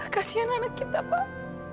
kasian anak kita pak